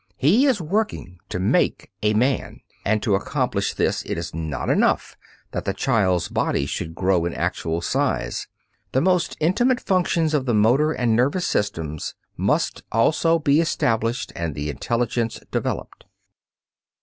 He is working to make a man, and to accomplish this it is not enough that the child's body should grow in actual size; the most intimate functions of the motor and nervous systems must also be established and the intelligence developed.